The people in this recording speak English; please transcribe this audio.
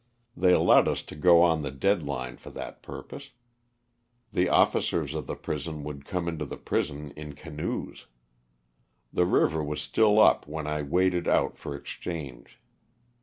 They allowed us to go on the dead line for that pur pose. The officers of the prison would come into the prison in canoes. The river was still up when I waded out for exchange.